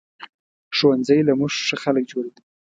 ښوونځی له مونږ ښه خلک جوړوي